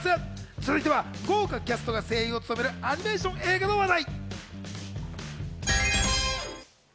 続いては豪華キャストが声優を務めるアニメーションの話題。